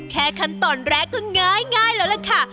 แค่ขัดต้นแร็กก็ง่ายแล้วแหละค่ะ